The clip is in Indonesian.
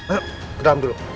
ayo ke dalam dulu